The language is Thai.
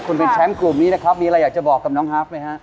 คุณเป็นแชมป์กลุ่มนี้นะครับมีอะไรอยากจะบอกกับน้องฮาฟไหมฮะ